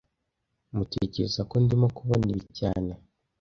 Tmutekereza ko ndimo kubona ibi cyane